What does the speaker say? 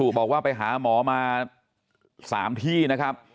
บอกว่าไปหาหมอมา๓ที่นะครับ